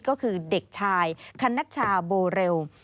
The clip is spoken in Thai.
ก็คือเด็กชายคณัชชาโบเรล